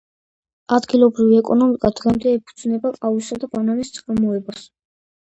ადგილობრივი ეკონომიკა დღემდე ეფუძნება ყავისა და ბანანის წარმოებას.